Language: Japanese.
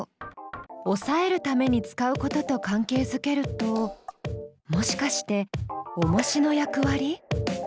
おさえるために使うことと関係づけるともしかしておもしの役割？